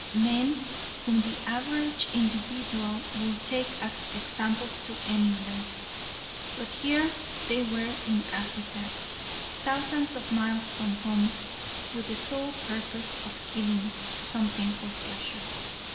Men whom the average individual would take as examples to emulate. But here they were in Africa, thousands of miles from home, with the sole purpose of killing something for pleasure.